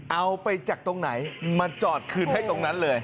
เอาไปจากตรงไหนมาจอดคืนให้ตรงนั้นเลย